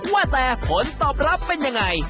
ว่าแต่ผลตอบรับเป็นยังไง